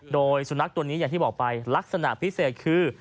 โดยสุนัขตัวนี้อย่างที่บอกไปลักษณะพิเศษคือ